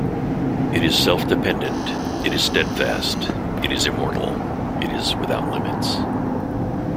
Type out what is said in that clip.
It is self-dependent, it is steadfast, it is immortal, it is without limits.